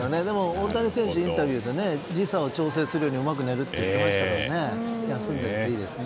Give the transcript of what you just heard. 大谷選手はインタビューで時差を調整するにはうまく寝るといっていましたから休んでいるといいですね。